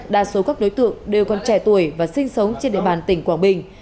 đa số các đối tượng đều còn trẻ tuổi và sinh sống trên địa bàn tỉnh quảng bình